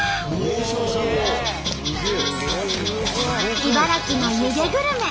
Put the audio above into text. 茨城の湯気グルメ。